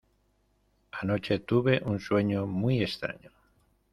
Anoche tuve un sueño muy extraño.